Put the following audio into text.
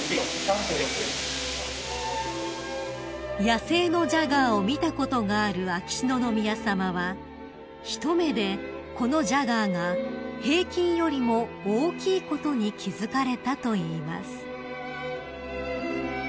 ［野生のジャガーを見たことがある秋篠宮さまは一目でこのジャガーが平均よりも大きいことに気付かれたといいます］